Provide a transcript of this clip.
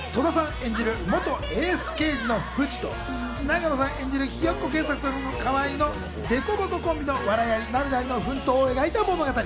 演じる元エース刑事の藤と永野さん演じる、ひよっこ警察官の川合のでこぼこコンビの笑いあり涙ありの奮闘を描いた物語。